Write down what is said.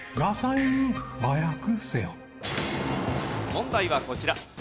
問題はこちら。